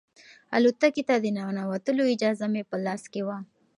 الوتکې ته د ننوتلو اجازه مې په لاس کې وه.